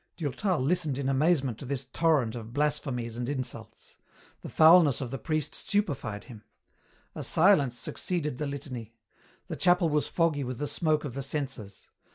Durtal listened in amazement to this torrent of blasphemies and insults. The foulness of the priest stupefied him. A silence succeeded the litany. The chapel was foggy with the smoke of the censers.